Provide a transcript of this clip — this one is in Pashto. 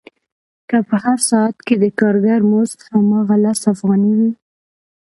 که په هر ساعت کې د کارګر مزد هماغه لس افغانۍ وي